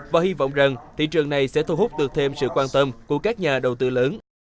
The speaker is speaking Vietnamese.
và hy vọng rằng thị trường này sẽ thu hút được thêm sự quan tâm của các nhà đầu tư lớn